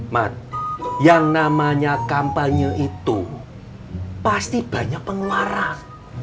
mat yang namanya kampanye itu pasti banyak pengeluaran